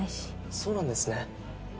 そうなんですね。